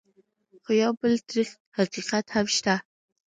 خو یو بل تريخ حقیقت هم شته: